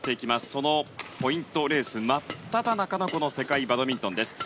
そのポイントレース真っただ中のこの世界バドミントンです。